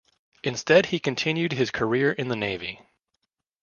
Instead he continued his career in the navy.